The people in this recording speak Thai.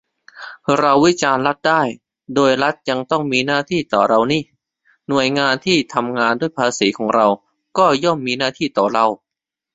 เราวิจารณ์รัฐได้ โดยรัฐยังต้องมีหน้าที่ต่อเรานิ หน่วยงานที่ทำงานด้วยภาษีของเราก็ย่อมมีหน้าที่ต่อเรา